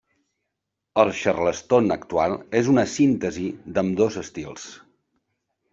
El xarleston actual és una síntesi d'ambdós estils.